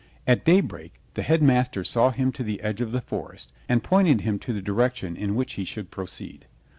At daybreak the Headmaster saw him to the edge of the forest and pointed him to the direction in which he should proceed.